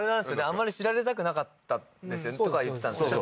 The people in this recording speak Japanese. あんまり知られたくなかったとか言ってたんですよね